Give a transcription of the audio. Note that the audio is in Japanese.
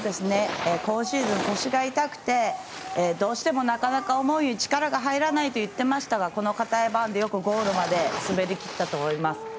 今シーズン、腰が痛くてどうしても、なかなか思うように力が入らないといっていましたがかたいバーンでよくゴールまで滑りきったと思います。